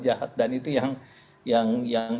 jahat dan itu yang